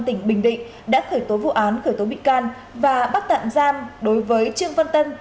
tỉnh bình định đã khởi tố vụ án khởi tố bị can và bắt tạm giam đối với trương văn tân